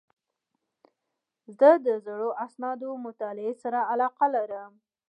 زه د زړو اسنادو مطالعې سره علاقه لرم.